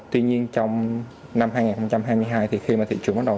tuy nhiên trong năm hai nghìn hai mươi hai thì khi mà thị trường bắt đầu